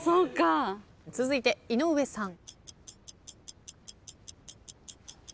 続いて井上さん。